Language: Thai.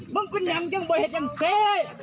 มึงเป็นยังจงไม่เผ็ดยังเศรษฐ์